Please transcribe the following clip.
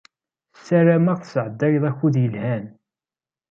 Sarameɣ tesɛeddayeḍ akud yelhan.